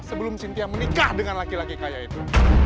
sebelum cynthia menikah dengan laki laki kaya itu